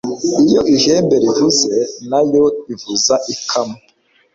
iyo ihembe rivuze, na yo ivuza akamo